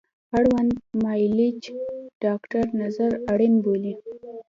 د اړوند معالج ډاکتر نظر اړین بولي